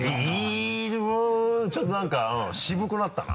ちょっと何か渋くなったな。